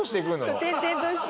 そう転々として。